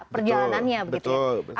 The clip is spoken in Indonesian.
perjalanannya begitu ya